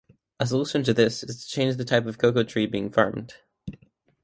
A solution to this is to change the type of cocoa tree being farmed.